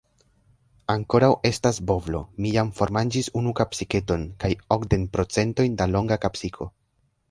Ankoraŭ estas bovlo, mi jam formanĝis unu kapsiketon, kaj okdek procentojn da longa kapsiko.